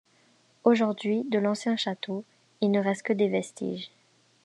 Aujourd'hui, de l'ancien château il ne reste que des vestiges.